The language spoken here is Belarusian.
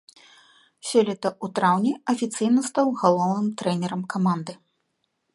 Сёлета ў траўні афіцыйна стаў галоўным трэнерам каманды.